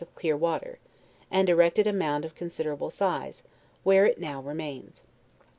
153 of clear water, and erected a mound of considerable size, where it now remains.